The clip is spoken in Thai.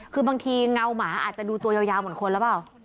คือบางทีเงาหมาอาจจะดูตัวยาวเหมือนคนหรือเปล่า